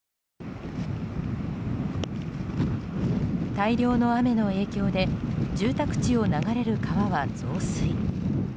大量の雨の影響で住宅地を流れる川は増水。